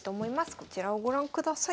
こちらをご覧ください。